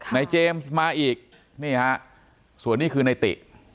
เจมส์มาอีกนี่ฮะส่วนนี้คือในติ